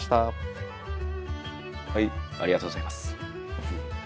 ありがとうございます。